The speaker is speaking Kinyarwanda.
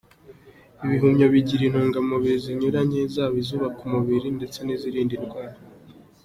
Ibihumyo bigira intungamubiri zinyuranye zaba izubaka umubiri ndetse niziwurinda indwara.